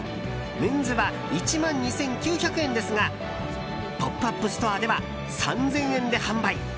メンズは１万２９００円ですがポップアップストアでは３０００円で販売。